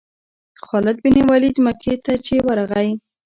خالد بن ولید مکې ته چې ورغی.